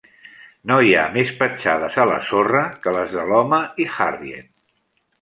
No hi ha més petjades a la sorra que les de l'home i Harriet.